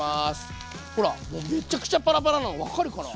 ほらもうめちゃくちゃパラパラなの分かるかな？